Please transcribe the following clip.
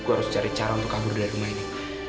gue harus cari cara untuk kabur dari rumah ini